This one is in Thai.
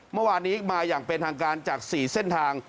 เมื่อวานนี้มาอย่างเป็นทางการจาก๔เส้นทาง